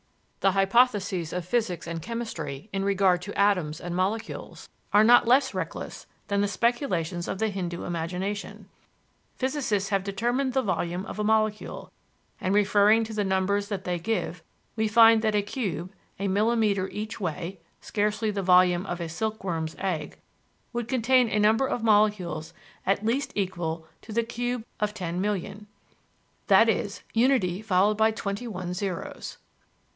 The hypotheses of physics and chemistry in regard to atoms and molecules are not less reckless than the speculations of the Hindoo imagination. "Physicists have determined the volume of a molecule, and referring to the numbers that they give, we find that a cube, a millimeter each way (scarcely the volume of a silkworm's egg), would contain a number of molecules at least equal to the cube of 10,000,000 i.e., unity followed by twenty one zeros.